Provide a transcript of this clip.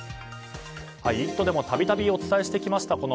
「イット！」でもたびたびお伝えしてきました